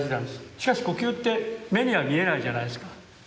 しかし呼吸って目には見えないじゃないですか。